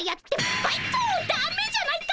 だめじゃないか！